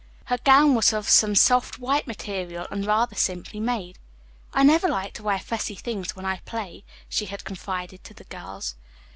Her gown was of some soft, white material and rather simply made. "I never like to wear fussy things when I play," she had confided to the girls.